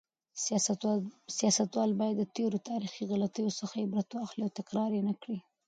سیاستوال باید د تېرو تاریخي غلطیو څخه عبرت واخلي او تکرار یې نکړي.